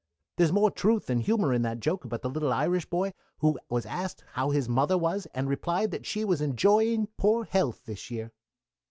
There's more truth than humor in that joke about the little Irish boy who was asked how his mother was and replied that she was enjoying poor health this year."